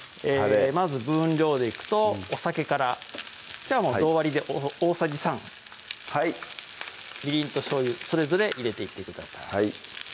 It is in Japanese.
まず分量でいくとお酒からきょうは同割りで大さじ３はいみりんとしょうゆそれぞれ入れていってください